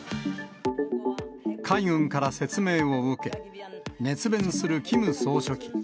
海軍から説明を受け、熱弁するキム総書記。